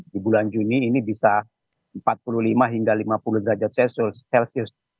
di bulan juni ini bisa empat puluh lima hingga lima puluh derajat celcius